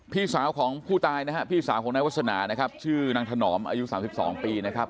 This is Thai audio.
พี่สาวของผู้ตายนะฮะพี่สาวของนายวัฒนานะครับชื่อนางถนอมอายุ๓๒ปีนะครับ